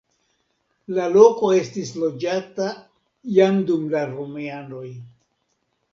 La loko estis loĝata jam dum la romianoj.